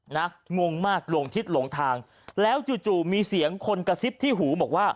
งงมากลงทิศหลงทางแล้วจู่จู่มีเสียงคนกระซิบที่หูบอกว่า